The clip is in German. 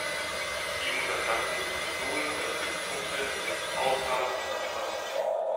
Ihm unterstanden die Konsuln der Stützpunkte mit Ausnahme von Caffa.